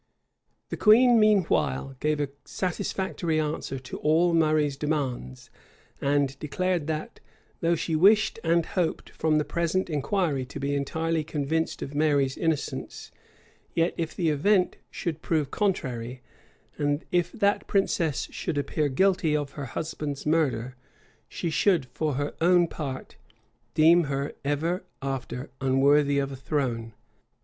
The queen, meanwhile, gave a satisfactory answer to all Murray's demands; and declared that, though she wished and hoped from the present inquiry to be entirely convinced of Mary's innocence, yet if the event should prove contrary, and if that princess should appear guilty of her husband's murder, she should, for her own part, deem her ever after unworthy of a throne.